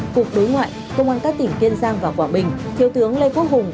cục đối ngoại công an các tỉnh kiên giang và quảng bình thiếu tướng lê quốc hùng